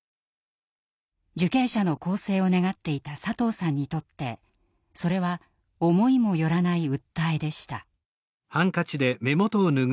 受刑者の更生を願っていた佐藤さんにとってそれは思いも寄らない訴えでした。